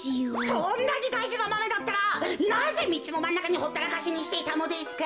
そんなにだいじなマメだったらなぜみちのまんなかにほったらかしにしてたのですか？